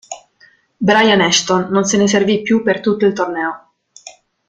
Brian Ashton non se ne servì più per tutto il torneo.